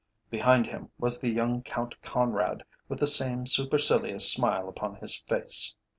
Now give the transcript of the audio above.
Behind him was the young Count Conrad, with the same supercilious smile upon his face.